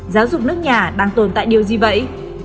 giáo dục nước nhà đang tồn tại điều gì vậy